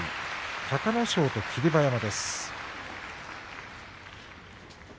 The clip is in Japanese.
隆の勝と霧馬山です。